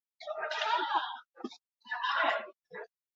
Egunkari eta aldizkari desberdinetan kolaboratzen du.